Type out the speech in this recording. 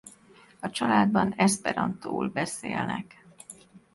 A családban eszperantóul beszélnek.